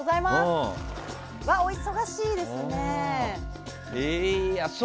お忙しいですね。